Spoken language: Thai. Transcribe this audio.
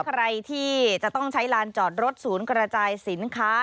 ใครที่จะต้องใช้ลานจอดรถศูนย์กระจายสินค้า